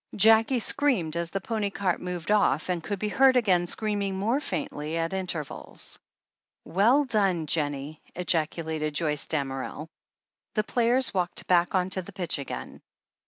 Jackie screamed as the pony cart moved off, and could be heard again, screaming more faintly, at in tervals. "Well done, Jennie !" ejaculated Joyce Damerel. The players walked bade on to the pitch again.